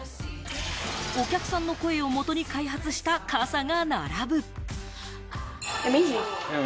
お客さんの声をもとに開発した傘が並ぶ。